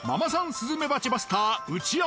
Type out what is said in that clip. スズメバチバスター内山。